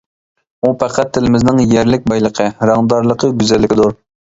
ئۇ پەقەت تىلىمىزنىڭ يەرلىك بايلىقى، رەڭدارلىقى، گۈزەللىكىدۇر.